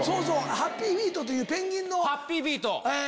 『ハッピーフィート』っていうペンギンの。